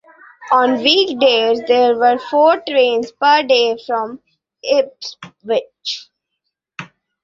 On weekdays there were four trains per day from Ipswich.